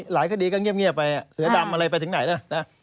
คดีก็เงียบไปเสือดำอะไรไปถึงไหนนะ